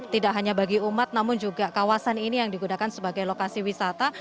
tidak hanya bagi umat namun juga kawasan ini yang digunakan sebagai lokasi wisata